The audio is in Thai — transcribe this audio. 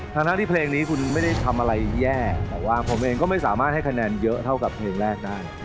ทั้งที่เพลงนี้คุณไม่ได้ทำอะไรแย่แต่ว่าผมเองก็ไม่สามารถให้คะแนนเยอะเท่ากับเพลงแรกได้